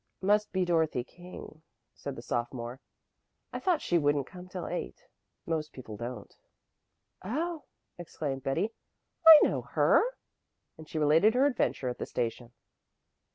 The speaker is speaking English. "Must be Dorothy King," said the sophomore. "I thought she wouldn't come till eight. Most people don't." "Oh!" exclaimed Betty, "I know her!" And she related her adventure at the station.